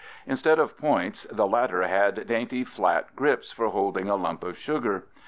Instead of points, the latter had dainty flat grips for holding a lump of sugar (fig.